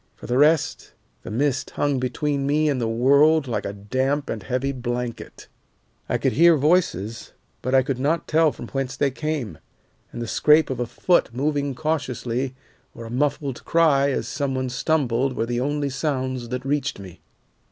For the rest, the mist hung between me and the world like a damp and heavy blanket. "I could hear voices, but I could not tell from whence they came, and the scrape of a foot moving cautiously, or a muffled cry as some one stumbled, were the only sounds that reached me.